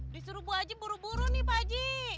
disuruh bu aji buru buru nih pak haji